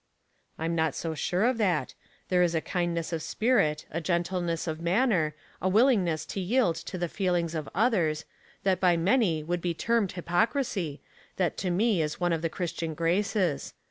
" I am not so sure of that. There is a kind ness of spirit, a gentleness of manner, a willing ness to yield to the feelings of others, that by many would be termed hypocrisy, that to m© is 234 Household Puzzles, one of the Chiistian graces.